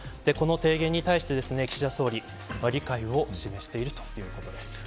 この提言に対して岸田総理理解を示しているということです。